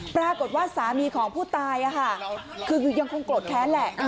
ปรากฏว่าสามีของผู้ตายคือยังคงโกรธแค้นแหละ